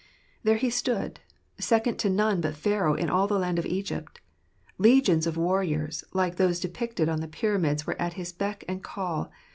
There he stood, second to none but Pharaoh in all the land of Egypt. Legions of warriors, like those depicted on the pyramids were at his beck and call.